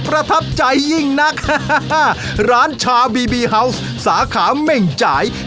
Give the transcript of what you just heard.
ประทับใจยิ่งนักร้านชาบีบีเฮาวส์สาขาเม่งจ่าย